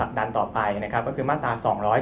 ดันต่อไปนะครับก็คือมาตรา๒๗